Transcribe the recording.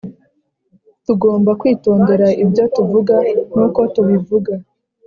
Tugomba kwitondera ibyo tuvuga n uko tubivuga